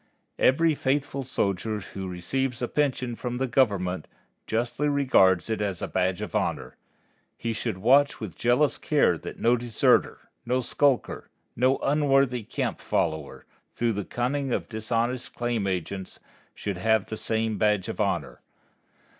Every faithful soldier who receives a pension from the Government justly regards it as a badge of honor. He should watch with jealous care that no deserter, no skulker, no unworthy camp follower, through the cunning of dishonest claim agents, should have the same badge of honor.